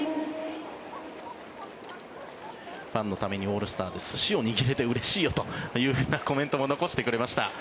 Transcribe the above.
ファンのためにオールスターで寿司を握れてうれしいよというようなコメントも残してくれました。